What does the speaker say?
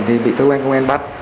thì bị cơ quan công an bắt